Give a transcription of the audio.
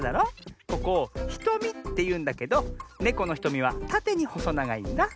ここ「ひとみ」っていうんだけどネコのひとみはたてにほそながいんだ。